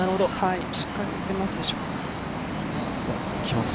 しっかり打てますでしょうか？